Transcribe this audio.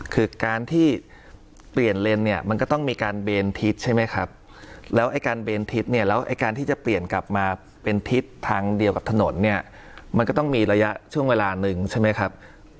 คือการที่เปลี่ยนเลนเนี่ยมันก็ต้องมีการเบนทิศใช่ไหมครับแล้วไอ้การเบนทิศเนี่ยแล้วไอ้การที่จะเปลี่ยนกลับมาเป็นทิศทางเดียวกับถนนเนี่ยมันก็ต้องมีระยะช่วงเวลาหนึ่งใช่ไหมครับ